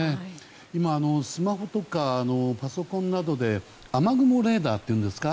今、スマホとかパソコンなどで雨雲レーダーというんですか。